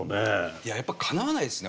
いややっぱかなわないですよ